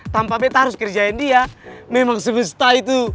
tanpa beta harus kerjain dia memang semesta itu